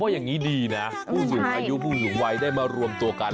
อย่างนี้ดีนะผู้สูงอายุผู้สูงวัยได้มารวมตัวกัน